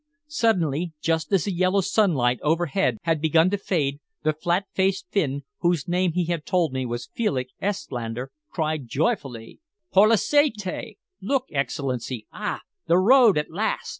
Suddenly, just as the yellow sunlight overhead had begun to fade, the flat faced Finn, whose name he had told me was Felix Estlander, cried joyfully "Polushaite! Look, Excellency! Ah! The road at last!"